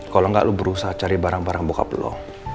kalau gak lu berusaha cari barang barang bokap lo